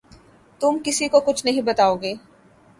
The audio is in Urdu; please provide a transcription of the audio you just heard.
تم کسی کو کچھ نہیں بتاؤ گے